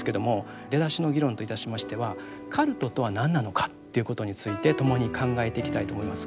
出だしの議論といたしましてはカルトとは何なのかということについて共に考えていきたいと思いますが。